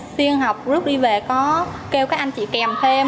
xuyên học lúc đi về có kêu các anh chị kèm thêm